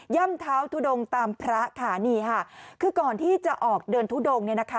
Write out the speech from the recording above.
่ำเท้าทุดงตามพระค่ะนี่ค่ะคือก่อนที่จะออกเดินทุดงเนี่ยนะคะ